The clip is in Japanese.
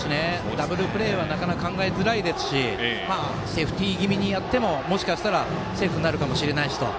ダブルプレーはなかなか考えづらいですしセーフティー気味にやってももしかしたらセーフになるかもしれないしと。